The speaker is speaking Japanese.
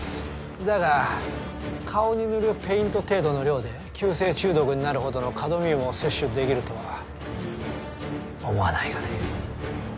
だが顔に塗るペイント程度の量で急性中毒になるほどのカドミウムを摂取できるとは思わないがね。